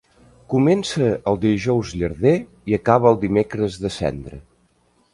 Comença el dijous llarder i acaba el dimecres de cendra.